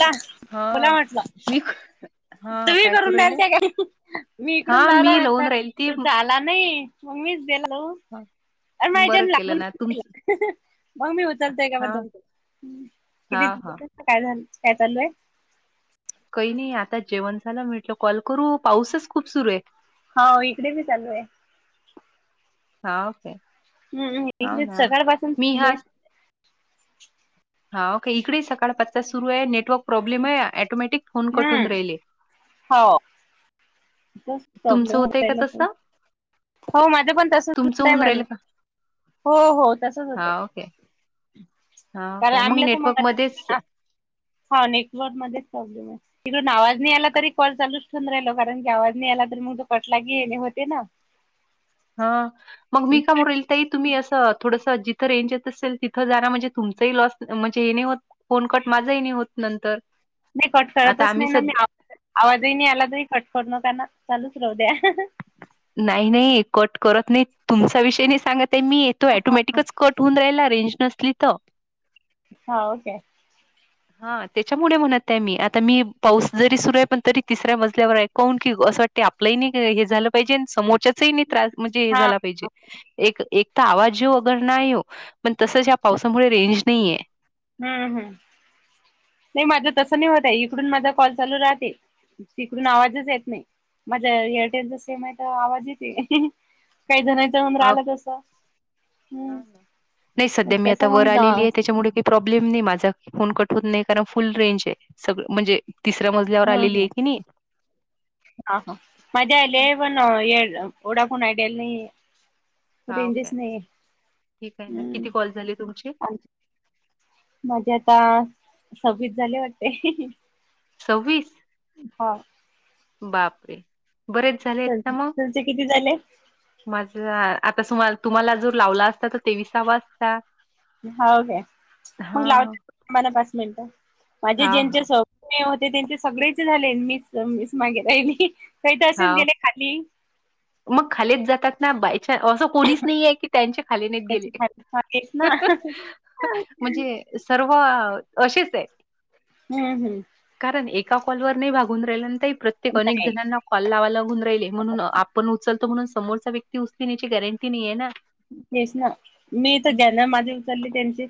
ला हा बोला म्हटलं मी खू तुम्ही करून द्याल त्या का? मी इकडून हा लावला मी लावून राहील ती वाटतं, झाला नाही. उम्मीद द्यायलो. अरे बरं केलं ना तुमच [unintelligible] मग मी उचलतोय का. हा [unintelligible] हा किती हा [unintelligible] काय झालं काय चालू हाय? काही नाही आता जेवण झालं, म्हटलं कॉल करू. पाऊसच खूप सुरू आहे. हाव इकडे बी चालू आहे. हाव काय? हम्म हम्म इकडे सकाळपासून चालू हाय. हा ओके इकडे सकाळ पाचचा सुरू आहे नेटवर्क प्रॉब्लेम आहे ऑटोमॅटिक फोन कटून हम्म, राहिले हो. तस तुमचं प्रॉब्लेम होतय का होयाला ताई तसं हा माझं तुमचं होऊन राहिल पण. [unintelligible] का हो हो तसच हा होतंय. ओके हा कारण [unintelligible] ओके मग नेटवर्क मध्येच हा नेटवर्क मध्येच प्रॉब्लेम आहे. तिकडून आवाज नाही आला तरी, कॉल चालूच ठेवून राहिलो कारण हे आवाज नई आला तर, मग तो पटला की येणे होते ना. हा मग मी का [unintelligible] ताई तुम्ही असं थोडसं जिथं रेंज येत असेल, तिथं जाण म्हणजे तुमचंही लॉस म्हणजे हे नाही होत फोनकट माझा ही नाही होत नंतर. नाही कट आता करतच आम्ही नाही ना मी. सध्या आवाजही नाही आला तरी कट कट नका ना चालूच राहू द्या. नाही नाही कट करत नाहीत. तुमचा विषय नाही सांगत आहे मी, तो हा ऑटोमॅटिकच कट तून रायला रेंज नसली तर. हौव काय. हा तेच्यामुळे म्हणत आहे मी, आता मी पाऊस जरी सुरू आहे पण तरी तिसऱ्या मजल्यावर आहे. कून की असं वाटते आपलंही नाही हे झालं पाहिजे, आणि समोरच्याच नाही त्रास म्हणजे हे हा झाला पाहिजे. एक एक तर आवाज येेव अगर नाही, येऊ पण तसच या पावसामुळे रेंज नाहीये. हम्म हम्म. नाही माझं तसं नाही ताई, इकडून माझा कॉल चालू राहते तिकडून आवाजच येत नाही. माझ्या एअरटेलचा सेम आहे तर, आवाज येते काही जणाचे. नाही मग सध्या मी आता कसं वर, मग हा आलेली आहे तेच्यामुळे. काही प्रॉब्लेम नाही माझा, फोन कट होत नाही. कारण फुल रेंज आहे. सगळं म्हणजे तिसरं मजल्या हम् हम. हा हा. मजा आली पण ये, ओडा फोन आयडल नाही. हाव रेंजच काय नाहीये. ठीक आहे ना किती हम्म. कॉल झाले तुमचे? माझे आता सव्वीस झाले वाटते. सव्वीस हा. बापरे बरेच झाले, आहेत का मग. तुमचे किती झाले माझा आता [unintelligible] तुम्हाला जर लावला असता, तर तेवीसावा असता. हो काय. मग हां लावते तुम्हाला पाच मिनटं. माझे हां जेंच्या हां स मी होते त्यांचे सगळेच झाले, मिस मिस मागे राहिली काही तर असेच हाव गेले खाली. मग खालीत जातात ना, बाय असं. कोणीच नाही आहे की, त्यांच्या खाली नाहीत गेले. त्याच्या खाली मागेच ना म्हणजे सर्व अशीच आहे. हम्म हम्म. कारण एका कॉलवर नाही भागून राहिलं ना ताई, प्रत्येक अनेक नाही जणांना काॅल लावा लागुून राहिले म्हणून, आपण उचलतो म्हणून समोरचा व्यक्ती उचली याची गॅरंटी नाहीे ना. तेच ना, मी तर हं. ज्याना माझे. त्यांची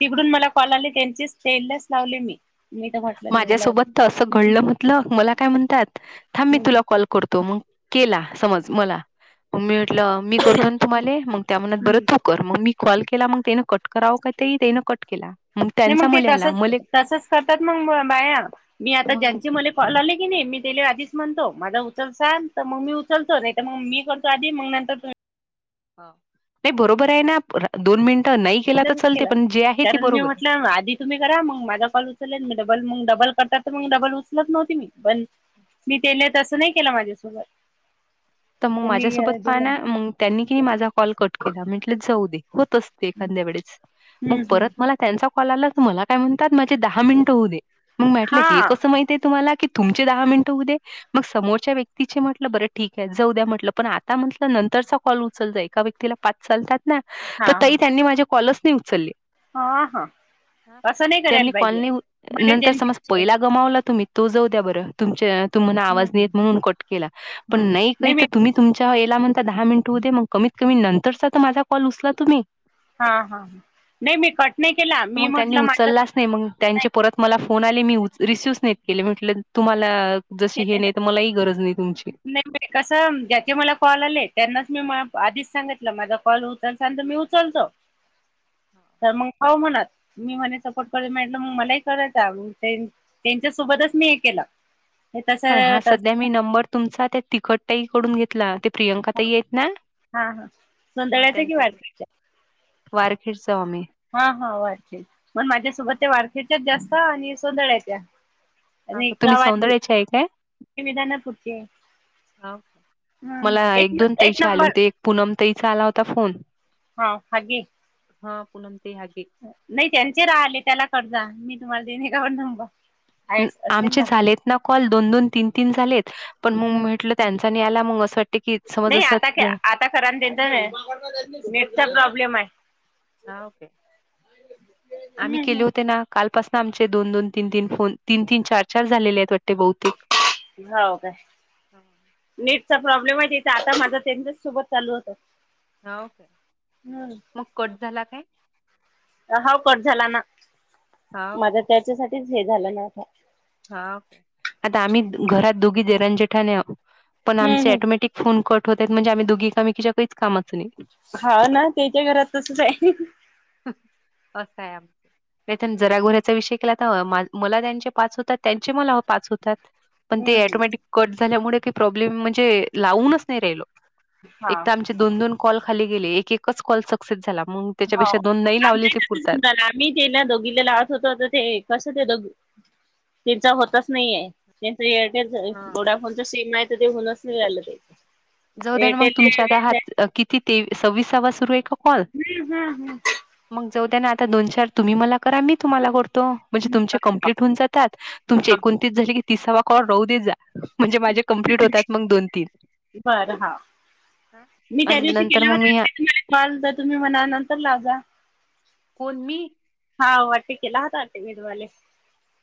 तिकडून मला कॉल आली, त्यांची स्टेनलेस लावली मी. मी तर म्हटलं नाही मला माझ्यासोबत तर असं घडलं म्हटलं, मला काय म्हणतात थांब मी तुला कॉल करतो मग केला समज, मला मी म्हटलं मी. करतोल ना तुम्हाले, मग त्या बर तु नाही कर मग मी कॉल केला मग तेन कट करावं, का ते तेन कट केला मग त्यांचा ते मले आला तसच मले. तसच करतात मग बाया, मी आता मग ज्यांची मले. काॅले की नाही मी तेले आधीच म्हणतो, माझा उचलसाल तर मग मी उचलतो नाही तर, मग मी करतो आधी मग नंतर तुम्ही. नाही बरोबर आहे ना, दोन मिनिटं नाही गेला तर तसच चालते केला पण जे आहे ते कारण मी बरोबर. म्हटलं आधी तुम्ही करा मग माझा कॉल उचललेल मी, डबल मग डबल करत तर मग डबल उचलत नव्हती मी पण पण. मी तेले तसं नाही केलं, माझ्यासोबत. तर मग त्यांनी माझ्यासोबत पाहा गेलं. ना मग, त्यांनी कि माझा कॉल कट केला म्हंटलं जाऊ दे होत असतं. एखाद्या वेळेस मग हम्म हम्म परत मला त्यांचा कॉल आला, तर मला काय म्हणतात माझे दहा मिनिटं होऊ दे. मग हा म्हटलं हे कसं, माहितेय तुम्हाला कि. तुमचे दहा मिनिटं होऊदे, मग समोरच्या व्यक्तीचे म्हटलं बरं ठीक त्यांचं होऊ द्या म्हटलं. पण आता म्हंटलं नंतरचा कॉल उचलता येईल. एका व्यक्तीला पाच चालतात ना? हा तर हा ताई त्यांनी माझे कॉलच नाही उचलले. हा हा असं नाही त्यांनी करायला कॉल पाहिजे नाही हुत, मला नंतर समज जयंती पहिला गमावला तुम्ही. तो जाऊ द्या बरं. तुमच्या तुम्हाना आवाज नाहीे येत म्हणून कट केला. पण नाही नाही काही मी तर तुम्ही तुमच्या याला म्हणता दहा मिनिट हो दे, मग कमीत कमी नंतरचा तर माझा कॉल उचला तुम्ही. हा. हा. ह नाही मी कट नाही केला, तर मी मग त्यांनी म्हटलं माझं. उचललाच नाही मग नाही त्यांचे परत मला फोन आले, मी रिसिव्ह नाहीत केले म्हटलं तुम्हाला. जशी हे नाही तर, मलाही गरज नाही तुमची. कस ज्याचे मला कॉल आले त्यांनाच मी आधीच सांगितलं, माझा कॉल उचलसान सांगतो मी उचलतो. तर मग हावं म्हणत. मी म्हणे सपोर्ट करूनटलं मग मलाही करायचं, तेच्यासोबतच मी हे केलं. हे तस हा तस सध्या मी नंबर तुमचा त्या, तिखटतााई कडून घेतला. प्रियांका ताई आहेत ना, हा हा हा सोंदळ्याच कि त्यांच्याकडं. वारकरीच वारखेड स्वामी. हा हा वारखे मण माझ्यासोबत त्या, वारखेच्याच जास्त आणि सोंदळ्या च्या. हा, नाही तुम्ही सौंदर्याचे आहे काय गावातली विधनापूरची. हा हम्म. एक न एक नंबर. पुूनम ताईचा आला होता फोन. हा घे. हा पूनम ताई हागे. नई त्यांचे राहले त्याला करजा, मी तुम्हाला देणे एखादा नंबर. आहे असेल आमचे ना झालेत ना कॉल दोन दोन तीन तीन झालेत, पण मग म्हटलं त्यांच. आणि त्याला मऊ असतं. नाही आता, आता खरा त्यांच नेटचा बरं प्रॉब्लेम आहे. हा ओके. आम्ही आहे केले होते ना, कालपासून आमचे दोन दोन तीन तीन फोन तीन तीन चार चार झालेले आहेत. वाटते बहुतेक. हाव काय. हा नेटचा प्रॉब्लेम आहे तिथे, आता माझा त्यांच्या सोबत चालू होत. हाव काय हम्म मग, कट झाला काय. हाव कट झाला ना, हा माझ ओके त्याच्यासाठीच हे झालं ना आता. हाव आता आम्ही घरात दोघी देरानी जेठानी आहोत, पण हम्म आमचे हम्म अॅटोमॅटिक. फोन कट होतात म्हणजे, आम्ही दोघी एकमेकीच्या काहीच कामाच नाही. हा ना, त्याच्या घरात तसचं आहे. असं आहे आमचं तिथं, जरा घोऱ्याचा विषय केला तर मला त्यांचे. पाच होतात त्यांचे मला पाच होतात, पण हम्म ते हम्म ऑटोटोमॅटिक कट झाल्यामुळे प्रॉब्लेम म्हणजे. लावूनच नाही राहिलो, एक हा तर आमचे दोन दोन कॉल खाली गेले एक एक. कसं एकच कॉल सक्सेस झाला मग, त्याच्यापेक्षा दोन न नाही लावले ते पुरतात. मी तिला दोघिला लावत होतो, तर ते कसं ते दो तेनचा होतच नाहीये. त्या एअरटेल हा. वोडाफोनच सिम, नाही तर ते होऊनच नाही राहील ते. जाऊ देण मग तुमच्या आता, एअरटेल हात किती ते सव्वीसावा सुरू आहे का कॉल. [unintelligible] मग जाऊ द्या ना आता, दोन चार तुम्ही मला करा मी तुम्हाला करतो. म्हणजे तुमचे कम्प्लीट होऊन जातात, तुमचे हा एकोणतीस झाले की तिसावा कॉल राहू दे जा. म्हणजे माझे कम्प्लीट होतात मग दोन तीन. बरं हाव, मी त्या आणि दिवशी नंतर केला मग मी होता वाटते. [unintelligible] तुम्ही म्हणा नंतर लाजा. कोण मी. हवा वाटे केला होता, वाटे मी तुम्हाले.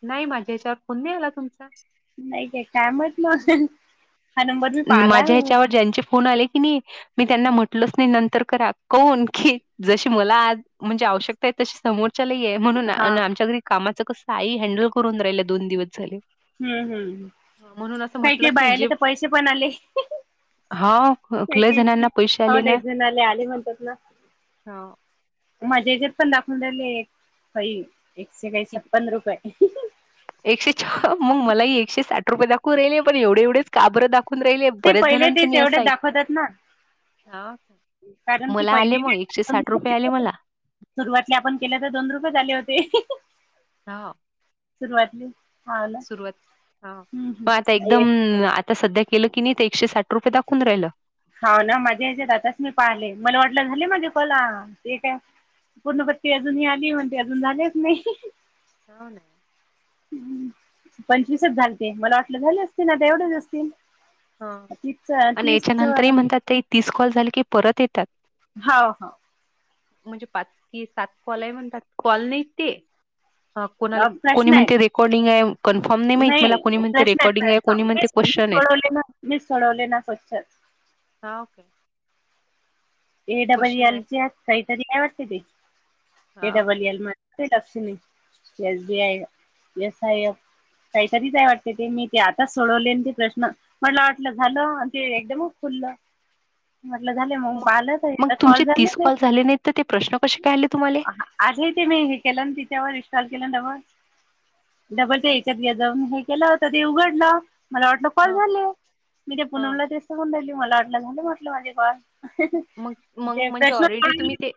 नाही माझ्या हेच्यावर, फोन नाही आला तुमचा. नाही काय, काय म्हटलं असेल. माझ्या हेच्यावर ज्यांचे फोन आले की नाही. मी त्यांना म्हटलच नाही, नंतर करा काऊन की जशी मला आज. म्हणजे, आवश्यकता तशी समोर. चला ये म्हणून हा आमच्याकडं कामाच कसं आई, हँडल करून राहिलं दोन दिवस झाले. हम्म हम्म. म्हणून असं काही काही म्हटलंच बायांला तर पैसे पण आले. हाव. हाव लय जणाले, आले म्हणतात ना. माझ्या हेच्यात पण दाखवून राहिले, काही एकशे काही छप्पन्न रुपये. एकशे मग मला ह एकशे साठ रुपये दाखवून राहिले, पण एवढे एवढेच का बरं एवढेच दाखून राहिले. ते. बऱ्याच पहिले ते जणांचं मी तेवढे असं ऐक दाखवतात ना. हा. कारण ती मला आले पहिली मग एकशे साठ रुपये आले वे मला [unintelligible] सुरुवातले आपण केले होते. दोन रुपये च आले होते. ह.. सुरुवातली. सुरवात हा मग, आता एकदम एक आता. सध्या. केलं की नाही. ते एकशे साठ रुपये. दाखवून राहिले. हा ना माझ्या याच्यात आताच मी पहाले, मला वाटलं झाले माझे कॉल ते काय. पूर्णपत्ती अजूनही आली म्हण ते अजून झालेच नाही. हाव. ना.. पंचवीसच झालते. मला वाटलं झाले असतील. आता एवढेच असतील. हा. तीस आणि तीस वर याच्यानंतरही आलं. म्हणतात. ते तीस कॉल झाले, की परत येतात. हाव. हाव. म्हणजे? पाच की सात कॉल आहे. म्हणतात कॉल नाहीत ते. [inaudible] कोणाला? अ, कोणी? प्रश्न आहेत म्हणते रेकॉर्डिंग आहे. कन्फर्म नाही माहित मला. कोणी? म्हणते प्रश्न आहेत रेकॉर्डिंग आहे कोणी? प्रश्न म्हणते. मीच मी क्वेश्चन आहेत. सोडवले ना, मी सोडवले ना क्वेश्चन. हाव. Okay. A. Double question L. आहे चे काहीतरी काय? वाटते ते ए. हा ओके. Double L. मध्ये. [unintelligible] S. B. I. S. I. S. काहीतरी आहे वाटत. ते मी ते आताच सोडवले ते प्रश्न. मला वाटलं झालं. ते एकदमच खुलं म्हटलं झाले मग. मग पाहिलं मग तर तुमचे कॉल झाले तीस ते कॉल झाले नाही, तर ते प्रश्न कसे काय आले तुम्हाले? आजही, तिने हे केलं तिच्यावर इनस्टॉल केल डबल. डबल ते ह्याच्यात जाऊन हे केलं होत ते.. उघडलं. मला वाटलं कॉल ह झाले. मी त्या ह पुनमला ते म्हणून राहिली. मला वाटलं झाले, म्हटलं माझे कॉल. मग मग, ते म्हणजे प्रश्न ऑलरेडी तुम्ही ते...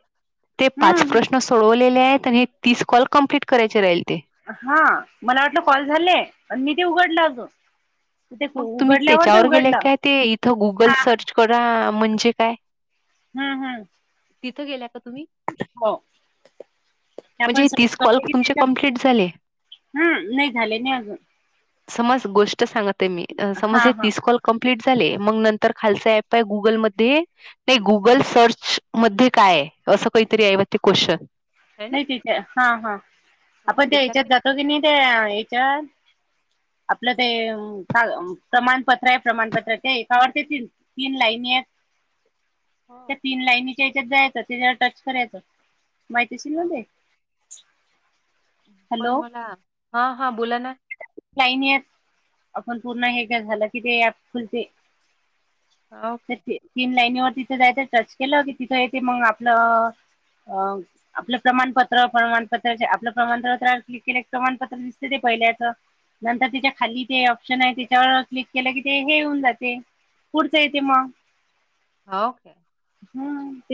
ते पाच प्रश्न. हम्म प्रश्न सोडवलेले आहेत. आणि तीस कॉल कम्प्लीट करायचे राहील ते. हा. मला वाटलं कॉल झालेय. मी ते उघडलं अगं. मग, तुम्ही त्याच्यावर गेले काय? ते इथं गुगल हा सर्च करा म्हणजे काय? हम्म. हम्म. तिथं गेल्या का? तुम्ही? [inaudible] हो.. ते म्हणजे आपण हे तीस सतो कॉल हम तुमचे कम्प्लीट झाले. नाही झाले नाही अजून. समज गोष्ट सांगत आहे. मी समज हा हे हा तीस कॉल. कंप्लीट झाले. मग नंतर खालच ऍप आहे. गुगलमध्ये. नाही गुगल सर्चमध्ये काय आहे? असं काहीतरी हाय ते क्वेशचन. नाही तिच्या हा हा, मग आपण त्या हच्यात त्याच्यातले जातो की नाही त्या याच्यात. आपलं ते का? प्रमाणपत्र आहे. प्रमाणपत्र ते एकावर ते तीन. तीन लाईनी आहेत. ह त्या तीन लाईनीच्या हच्यात जायचं, त्याच्यावर टच करायचं. देशील. ना ते. पण, हॅलो मला हा. हा. बोला ना. लाईन येत, आपण पूर्ण हे का? झालं की ते ऍप खुलते. [inaudible] ओके सती. तीन लाईनीवर तिथे जायचं टच केलं की, तिथं येते मग आपलं अ. आपलं प्रमाणपत्र-प्रमाणपत्र आपलं प्रमाणपत्रावर क्लिक केले. की प्रमाणपत्र दिसते ते पहिल्याच. नंतर त्याच्या खाली ते ऑप्शन आहे त्याच्यावर क्लिक केलं की, ते हे होऊन जाते. पुढचं येते मग. होव. हां..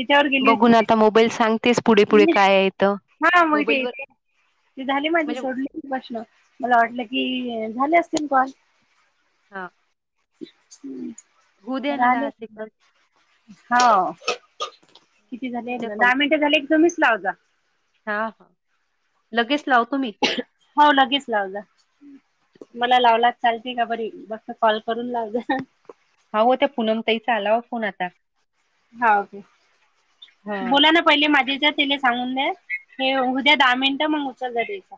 बघून आता मोबाईल सांग. तेच. पुढे, पुढे हा काय? आहे इथं. मग मोबाईल ते वर ते ते झाले माझे म्हणजे सोडले प्रश्न मला वाटलं की, झाले असतील कॉल. हा.. द्या ना राहले सेकंद. हो. किती होऊ झाले द्या ना, दहा मिनट झाले तुम्हीच लावत जा. हा हा. लगेच लावतो मी. [unintelligible] हो लगेच लावला. मला लावलाच चालते का? बरी बघत कॉल करून लाव हौ हो त्या पुनम ताईचा आलावा फोन आता. हा ओके. हां. बोला ना. पहिले माझेच्या तले सांगून दे, हे उद्या दहा मिनिटं मग उचल देण्याचा.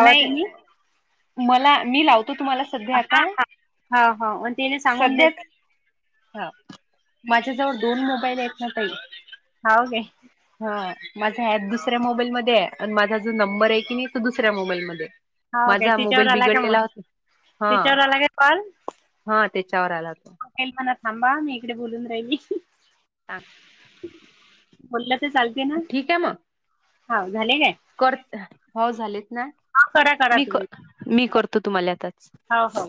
नाही मला मी, लावतो तुम्हाला. सध्या हा. आता. हा. ह. मग, तिने सांगून सध्याच दिलंय. हां माझ्या जवळ दोन, मोबाईल आहेत ना ताई. हाऊ के. हा माझा एप दुसऱ्या मोबाईलमध्ये, आणि माझा जो नंबर आहे की नाही तो दुस दुसऱ्या मोबाईल मध्ये, हाव काय माझा तिच्यावर मोबाईल आला का मग बिघडलेला. हा. तिच्यावर आला का कॉल हा. त्याच्यावर आला तो. एलपणा थांबा मी, इकडे बोलून राहिल. हां. बोललं तर चालतंय ना, ठीक आहे मग. हा झाले काय? कर होव झालेत ना हा करा करा मी, मी करतो तुम्हाला आताच. हा हा.